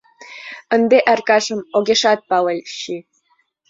Ынде Аркашым огешат пале чий.